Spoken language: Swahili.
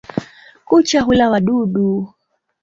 Kucha hula wadudu.